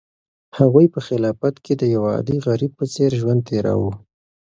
هغوی په خلافت کې د یو عادي غریب په څېر ژوند تېراوه.